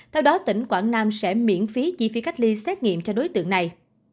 theo đó tỉnh quảng nam sẽ miễn phí chi phí cách ly xét nghiệm cho đối tượng này